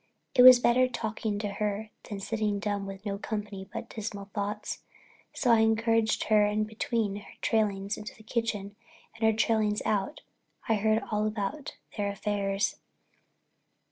It was better talking to her than sitting dumb with no company but dismal thoughts, so I encouraged her and between her trailings into the kitchen and her trailings out I heard all about their affairs.